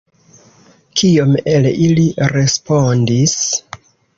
Kiom el ili respondis?